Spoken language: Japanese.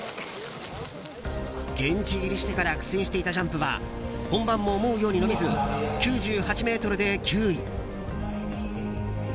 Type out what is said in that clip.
現地入りしてから苦戦していたジャンプは本番も思うように伸びず９８ｍで９位。